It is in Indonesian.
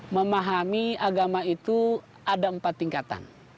memahami agama itu ada empat tingkatan